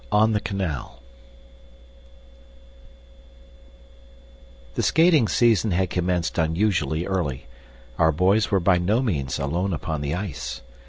On the Canal The skating season had commenced unusually early; our boys were by no means alone upon the ice.